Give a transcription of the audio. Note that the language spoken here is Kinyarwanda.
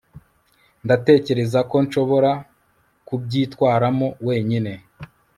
ndatekereza ko nshobora kubyitwaramo wenyine